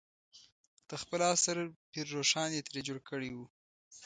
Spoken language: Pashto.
د خپل عصر پير روښان یې ترې جوړ کړی و.